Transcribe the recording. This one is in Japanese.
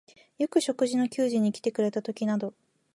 よく食事の給仕にきてくれたときなど、